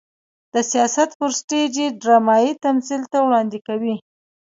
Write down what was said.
د سياست پر سټېج ډرامايي تمثيل ته وړاندې کوي.